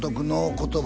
言葉